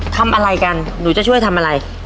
ทำอะไรกันหนูจะช่วยทำอะไร